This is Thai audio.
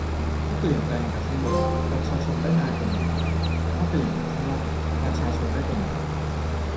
ถ้าเปลี่ยนแปลงจากข้างบน ประชาชนได้นายคนใหม่ แต่ถ้าเปลี่ยนจากข้างล่าง ประชาชนได้เป็นนาย